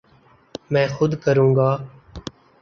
میں خود کروں گا